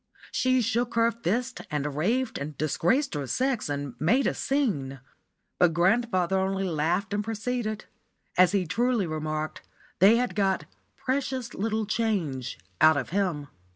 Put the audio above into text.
She shook her fist and raved and disgraced her sex and made a scene; but grandfather only laughed and proceeded. As he truly remarked, they had got "precious little change" out of him.